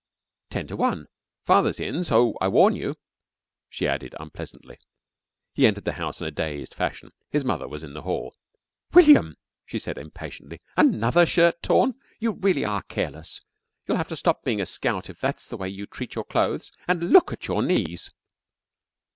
"Ten to one. Father's in, so I warn you," she added unpleasantly. He entered the house in a dazed fashion. His mother was in the hall. "William!" she said impatiently. "Another shirt torn! You really are careless. You'll have to stop being a scout if that's the way you treat your clothes. And look at your knees!"